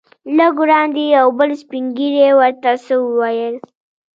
لږ وړاندې یو بل سپین ږیری ورته څه وویل.